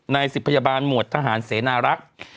นายศิษย์ภยาบาลหมวดทหารเสนารักษ์